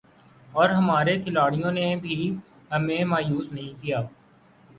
اور ہمارے کھلاڑیوں نے بھی ہمیں مایوس نہیں کیا